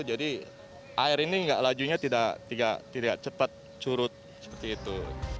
jadi air ini nggak lajunya tidak cepat curut seperti itu